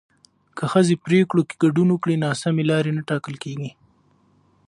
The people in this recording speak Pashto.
که ښځې پرېکړو کې ګډون وکړي، ناسمې لارې نه ټاکل کېږي.